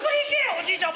おじいちゃん